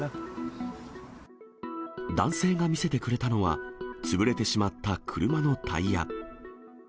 男性が見せてくれたのは、潰れてしまった車のタイヤ。